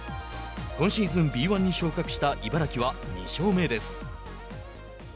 今シーズンＢ１に昇格した茨城は２勝目です。